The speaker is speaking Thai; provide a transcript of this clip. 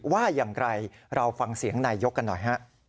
ว่าอย่างไรเราฟังเสียงนายยกกันหน่อยฮะ